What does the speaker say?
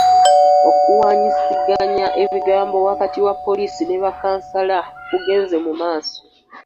Okuwaanyisiganya ebigambo wakati wa poliisi ne bakkansala kugenze mu maaso .